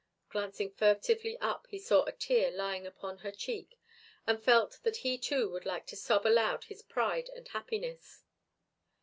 Glancing furtively up he saw a tear lying upon her cheek and felt that he too would like to sob aloud his pride and happiness.